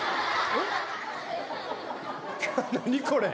何これ。